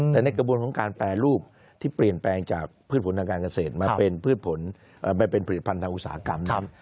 แต่ในกระบวนของการแปรรูปที่เปลี่ยนแปลงจากพืชผลทางการเกษตรมาเป็นพืชผลมาเป็นผลิตภัณฑ์ทางอุตสาหกรรมนั้น